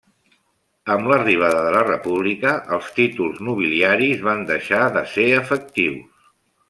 Amb l'arribada de la república, els títols nobiliaris van deixar de ser efectius.